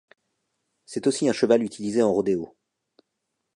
C'est aussi un cheval utilisé en rodéo.